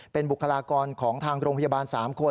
เป็นบุคลากรของทางโรงพยาบาล๓คน